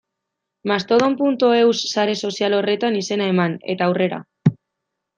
Mastodon.eus sare sozial horretan izena eman, eta aurrera.